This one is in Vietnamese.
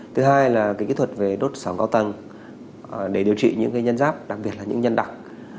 thứ hai là kỹ thuật về đốt sòng cao tầng để điều trị những nhân giáp đặc biệt là những nhân đặc